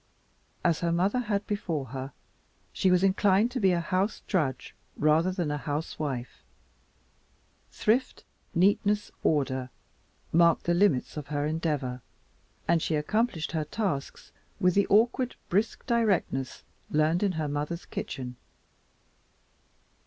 As her mother had before her, she was inclined to be a house drudge rather than a housewife. Thrift, neatness, order, marked the limits of her endeavor, and she accomplished her tasks with the awkward, brisk directness learned in her mother's kitchen.